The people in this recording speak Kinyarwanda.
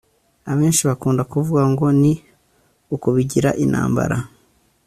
Abenshi bakunda kuvuga ngo ni ukubigira intambara